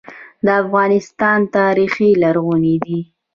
د افغانستان تاریخ لرغونی دی